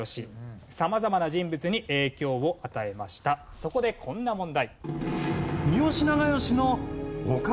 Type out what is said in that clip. そこでこんな問題。